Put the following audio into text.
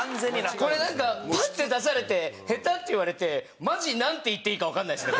これなんかパッて出されて下手って言われてマジなんて言っていいかわかんないですね